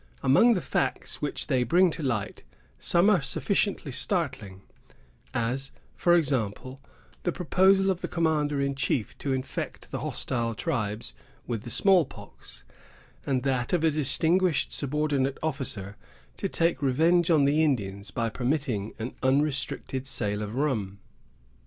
Among the facts which they bring to light, some are sufficiently startling; as, for example, the proposal of the Commander in Chief to infect the hostile tribes with the small pox, and that of a distinguished subordinate officer to take revenge on the Indians by permitting an unrestricted sale of rum.